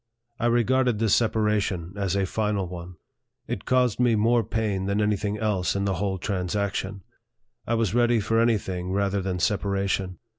I regarded this separation as a final one. It caused me more pain than any thing else in the whole transac tion. I was ready for any thing rather than separa tion.